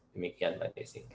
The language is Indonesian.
demikian mbak desi